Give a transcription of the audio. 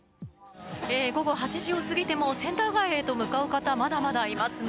午後８時を過ぎてもセンター街へと向かう方がまだまだいますね。